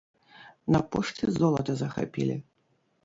На пошце золата захапілі.